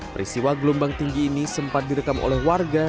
peristiwa gelombang tinggi ini sempat direkam oleh warga